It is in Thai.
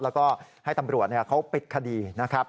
แล้วก็ให้ตำรวจเขาปิดคดีนะครับ